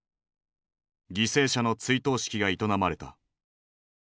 犠牲者の追悼式が営まれた。